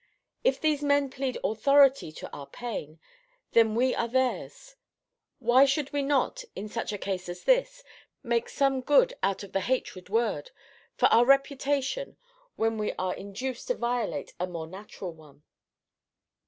If these men plead AUTHORITY to our pain, when we are theirs Why should we not, in such a case as this, make some good out of the hated word, for our reputation, when we are induced to violate a more natural one?